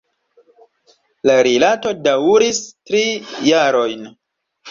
La rilato daŭris tri jarojn.